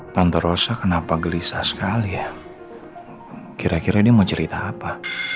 tante rosa kenapa gelisah sekali ya kira kira ini mau cerita apa